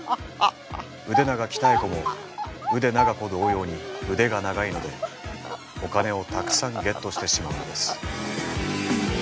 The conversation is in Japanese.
腕長鍛子も腕長子同様に腕が長いのでお金をたくさんゲットしてしまうのです。